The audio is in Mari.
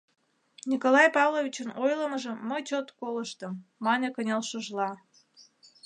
— Николай Павловичын ойлымыжым мый чот колыштым, — мане кынелшыжла.